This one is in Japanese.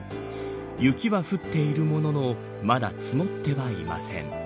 雪は降っているもののまだ積もってはいません。